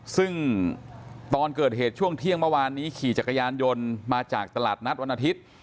ซึ่งตอนเกิดเหตุช่วงเที่ยงเมื่อวานนี้ขี่จักรยานยนต์มาจากตลาดนัดวันอาทิตย์